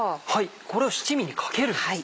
これを七味にかけるんですね。